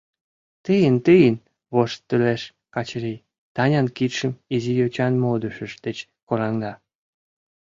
— Тыйын, тыйын, — воштылеш Качырий, Танян кидшым изи йочан модышыж деч кораҥда.